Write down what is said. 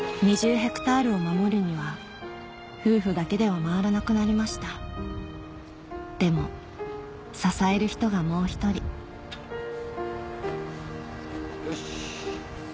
ヘクタールを守るには夫婦だけでは回らなくなりましたでも支える人がもう一人よし。